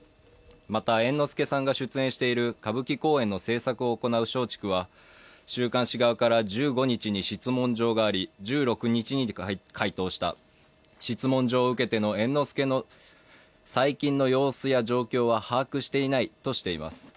また、猿之助さんが出演している歌舞伎公演の制作を行う松竹は週刊誌側から１５日に質問状があり１６日に回答した、質問状を受けての猿之助の最近の猿之助の状況や様子を把握していないとしています。